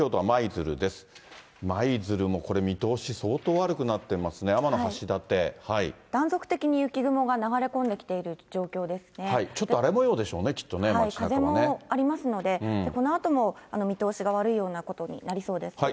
舞鶴もこれ、見通し相当悪くなっ断続的に雪雲が流れ込んできちょっと荒れもようでしょう風もありますので、このあとも見通しが悪いようなことになりそうです。